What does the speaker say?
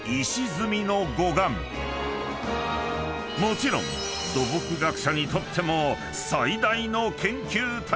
［もちろん土木学者にとっても］